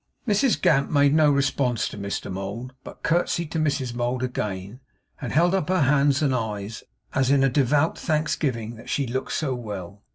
Mrs Gamp made no response to Mr Mould, but curtseyed to Mrs Mould again, and held up her hands and eyes, as in a devout thanksgiving that she looked so well.